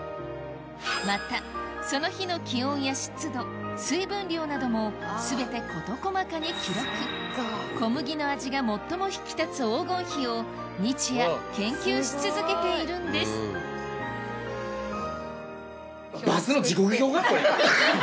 またその日の気温や湿度水分量なども全て事細かに記録小麦の味が最も引き立つ黄金比を日夜研究し続けているんですアハハハ！